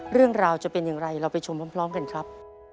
เรื่องราวจะเป็นอย่างไรเราไปชมพร้อมกันครับ